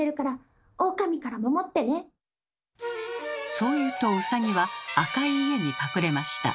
そう言うとウサギは赤い家に隠れました。